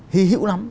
hy hữu lắm